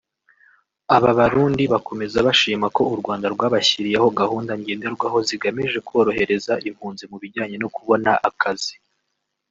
Aba Barundi bakomeza bashima ko u Rwanda rwabashyiriyeho gahunda ngenderwaho zigamije korohereza impunzi mu bijyanye no kubona akazi